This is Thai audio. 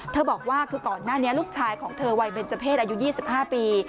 บอกว่าคือก่อนหน้านี้ลูกชายของเธอวัยเบนเจอร์เพศอายุ๒๕ปี